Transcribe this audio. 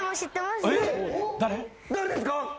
誰ですか？